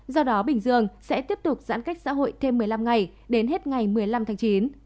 do đó bình dương sẽ tiếp tục giãn cách xã hội thêm một mươi năm ngày đến hết ngày một mươi năm tháng chín